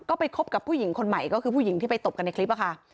ก็ไปคบกับผู้หญิงคนใหม่ก็คือผู้หญิงที่ไปตบกันในคลิปค่ะ